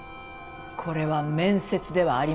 これは面接ではありません。